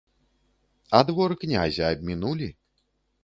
А двор князя абмінулі?